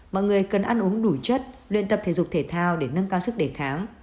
mọi người cần ăn uống đủ chất luyện tập thể dục thể thao để nâng cao sức đề kháng